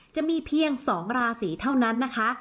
จะมีเพียง๒ราศีเท่านั้นนะคะ